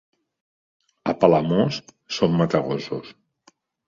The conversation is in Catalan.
A Palamós són matagossos.